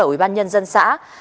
ủy ban nhân dân xã